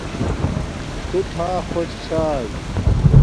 تو تھا خوش چھاݵݵ